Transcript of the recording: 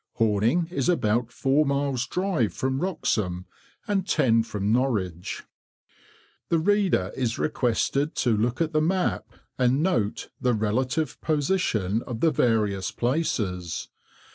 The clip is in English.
Horning is about four miles' drive from Wroxham, and ten from Norwich. The reader is requested to look at the Map, and note the relative position of the various places.